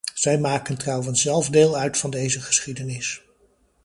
Zij maken trouwens zelf deel uit van deze geschiedenis.